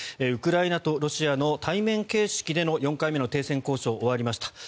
ウクライナとロシアの対面形式での４回目の停戦交渉が終わりました。